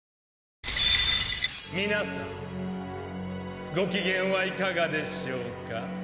皆さんご機嫌はいかがでしょうか？